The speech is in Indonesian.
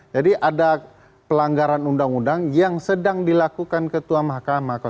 jadi ada pelanggaran undang undang yang sedang dilakukan ketua mk mk